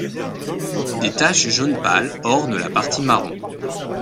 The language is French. Des taches jaune pâle ornent la partie marron.